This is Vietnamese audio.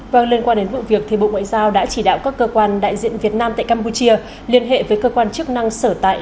vâng liên quan đến vụ việc thì bộ ngoại giao đã chỉ đạo các cơ quan đại diện việt nam tại campuchia liên hệ với cơ quan chức năng sở tại